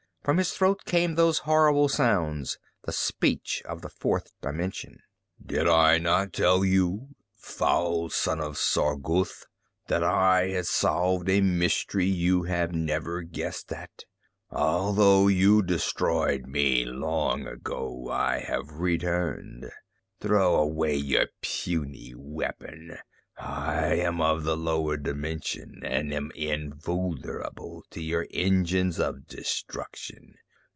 From his throat came those horrible sounds, the speech of the fourth dimension. "Did I not tell you, foul son of Sargouthe, that I had solved a mystery you have never guessed at? Although you destroyed me long ago, I have returned. Throw away your puny weapon. I am of the lower dimension and am invulnerable to your engines of destruction.